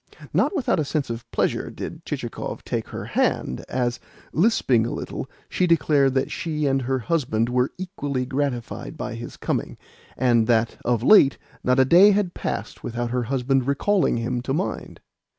Not without a sense of pleasure did Chichikov take her hand as, lisping a little, she declared that she and her husband were equally gratified by his coming, and that, of late, not a day had passed without her husband recalling him to mind.